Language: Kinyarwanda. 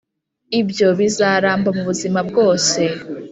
ibyo bizaramba mubuzima bwose.